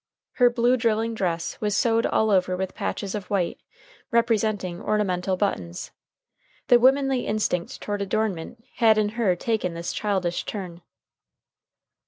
Her blue drilling dress was sewed all over with patches of white, representing ornamental buttons. The womanly instinct toward adornment had in her taken this childish turn.